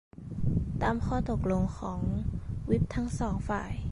ตามข้อตกลงของวิปทั้งสองฝ่าย